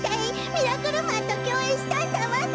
ミラクルマンときょうえんしたんだわべ！